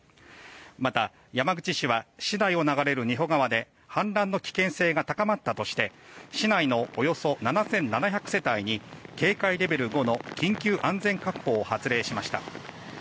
また、山口市は市内を流れる仁保川で氾濫の危険性が高まったとして市内のおよそ７７００世帯に警戒レベル５の緊急安全確保を発令しました。